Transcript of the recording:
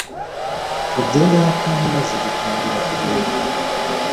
ngo byendeho akanya maze dutangire kugenda